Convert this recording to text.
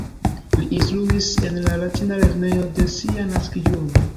Li instruis en la Latina Lernejo de sia naskiĝurbo.